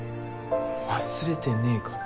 忘れてねぇから。